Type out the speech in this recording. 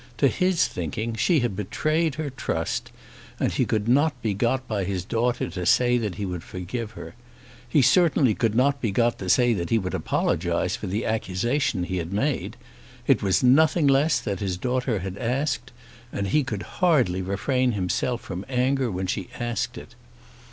To his thinking she had betrayed her trust, and he could not be got by his daughter to say that he would forgive her. He certainly could not be got to say that he would apologise for the accusation he had made. It was nothing less that his daughter asked; and he could hardly refrain himself from anger when she asked it.